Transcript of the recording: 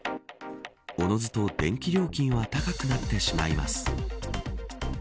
おのずと電気料金は高くなってしまいます。